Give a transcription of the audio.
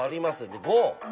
で５。